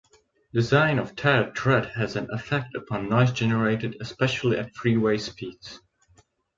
Design of tire tread has an effect upon noise generated, especially at freeway speeds.